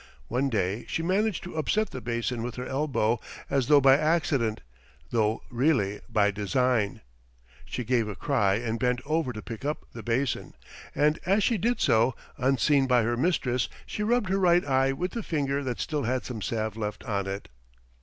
One day she managed to upset the basin with her elbow as though by accident, though really by design. She gave a cry and bent over to pick up the basin, and as she did so, unseen by her mistress, she rubbed her right eye with the finger that still had some salve left on it.